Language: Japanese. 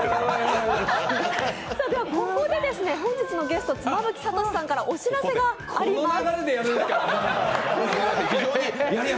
ここで本日のゲスト妻夫木聡さんからお知らせがあります。